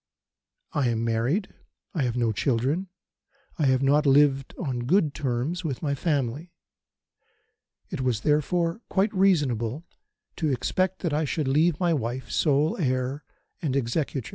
"I am married. I have no children. I have not lived on good terms with my family. It was, therefore, quite reasonable to expect that I should leave my wife sole heir and executrix.